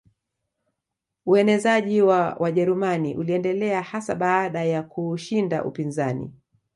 Uenezeaji wa Wajerumani uliendelea hasa baada ya kuushinda upinzani